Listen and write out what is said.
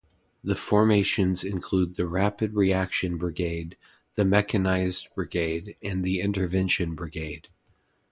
The formations include the Rapid Reaction Brigade, the Mechanized Brigade and the Intervention Brigade.